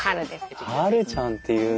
美ちゃんっていうんだ。